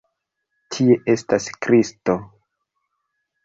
Tie estas Kristo!